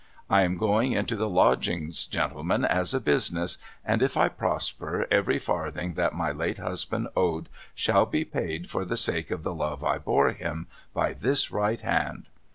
I am going into the Lodgings gentlemen as a business and if I prosper every farthing that my late husband owed shall be paid for the sake of the love I bore him, by this right hand.'